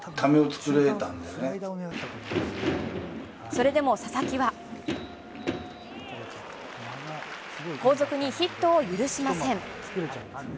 それでも佐々木は、後続にヒットを許しません。